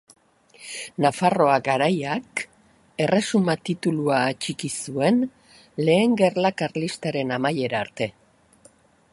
Nafarroa Garaiak erresuma titulua atxiki zuen Lehen Gerla Karlistaren amaiera arte.